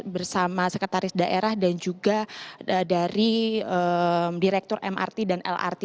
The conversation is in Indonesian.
bersama sekretaris daerah dan juga dari direktur mrt dan lrt